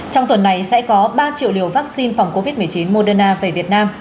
trong tuần này sẽ có ba triệu liều vaccine phòng covid một mươi chín moderna về việt nam